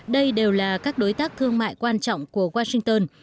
đây đều là các đối tác thương mại quan trọng của washington